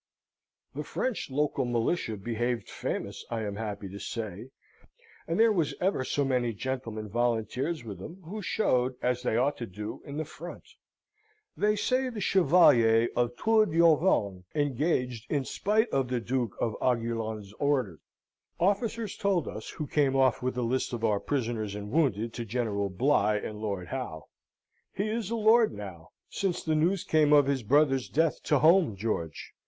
The French local militia behaved famous, I am happy to say; and there was ever so many gentlemen volunteers with 'em, who showed, as they ought to do, in the front. They say the Chevalier of Tour d'Auvergne engaged in spite of the Duke of Aiguillon's orders. Officers told us, who came off with a list of our prisoners and wounded to General Bligh and Lord Howe. He is a lord now, since the news came of his brother's death to home, George.